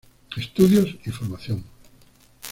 Estudios y formación.